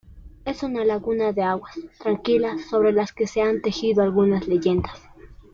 Es una laguna de aguas tranquilas sobre las que se han tejido algunas leyendas.